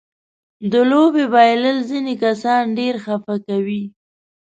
د لوبې بایلل ځينې کسان ډېر خپه کوي.